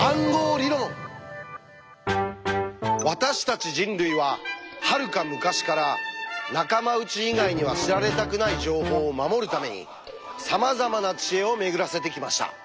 私たち人類ははるか昔から仲間内以外には知られたくない情報を守るためにさまざまな知恵を巡らせてきました。